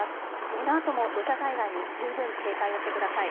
このあとも土砂災害に十分警戒をしてください。